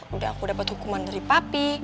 udah aku dapat hukuman dari papi